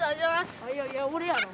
いやいや俺やろ。